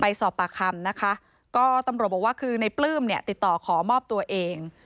สอบปากคำนะคะก็ตำรวจบอกว่าคือในปลื้มเนี่ยติดต่อขอมอบตัวเอง